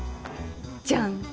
じゃん！